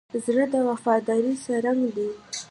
زړه د وفادارۍ څرک دی.